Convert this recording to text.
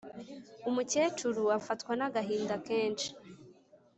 umukecuru afatwa nagahinda kenshi